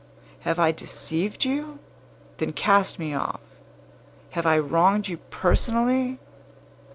Have I deceived you? Then cast me off! Have I wronged you personally?